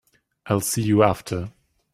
I'll see you after.